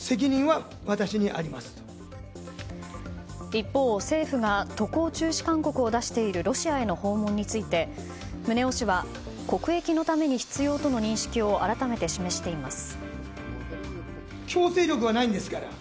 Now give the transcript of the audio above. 一方、政府が渡航中止勧告を出しているロシアへの訪問について宗男氏は国益のために必要との認識を改めて示しています。